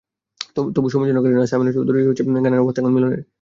তবু সময় যেন কাটে না, সামিনা চৌধুরীর গানের মতো অবস্থা এখন মিলনের।